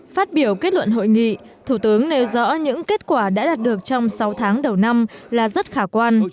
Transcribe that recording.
phát biểu kết luận hội nghị thủ tướng nêu rõ những kết quả đã đạt được trong sáu tháng đầu năm là rất khả quan